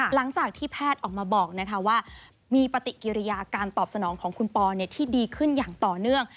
หลังจากที่แพทย์ออกมาบอกว่ามีปฏิกิริยาการตอบสนองของคุณปอที่ดีขึ้นอย่างต่อเนื่อง